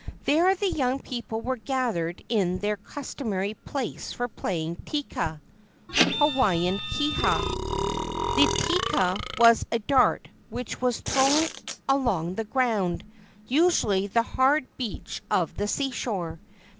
There the young people were gathered in their customary place for playing teka (Hawaiian keha). The teka was a dart which was thrown along the ground, usually the hard beach of the seashore.